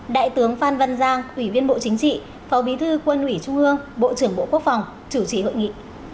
đại tướng phan văn giang ủy viên bộ chính trị phó bí thư quân ủy trung ương bộ trưởng bộ quốc phòng chủ trì hội nghị